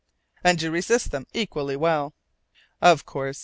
"And you resist them equally well." "Of course.